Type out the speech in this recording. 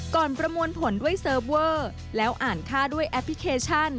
ประมวลผลด้วยเซิร์ฟเวอร์แล้วอ่านค่าด้วยแอปพลิเคชัน